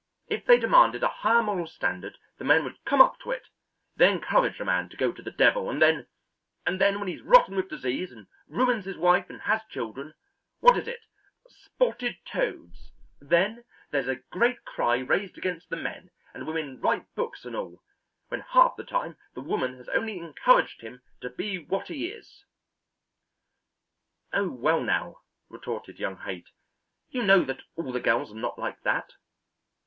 If they demanded a higher moral standard the men would come up to it; they encourage a man to go to the devil and then and then when he's rotten with disease and ruins his wife and has children what is it 'spotted toads' then there's a great cry raised against the men, and women write books and all, when half the time the woman has only encouraged him to be what he is." "Oh, well now," retorted young Haight, "you know that all the girls are not like that."